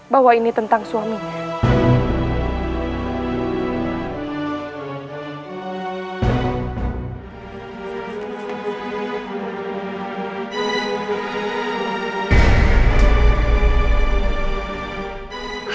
bahwa ini tentang suaminya